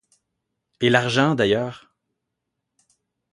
Et l'argent, d'ailleurs?